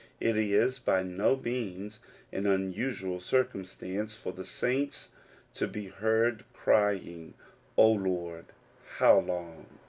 It is by no means an unusual circumstance for the saints to be heard crying, "O Lord, how long?